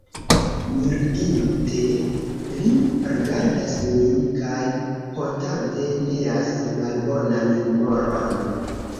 Mirigite li rigardas min kaj hontante neas malbonan humoron.